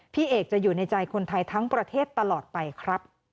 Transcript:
พี่เอกจะอยู่ในใจคนไทยทั้งประเทศตลอดไปครับ